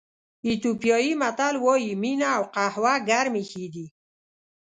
ایتیوپیایي متل وایي مینه او قهوه ګرمې ښې دي.